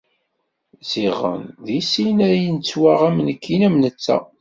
Ziɣen deg sin ay nettwaɣ am nikkini am netta.